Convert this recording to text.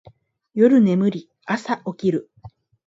夜眠り、朝起きる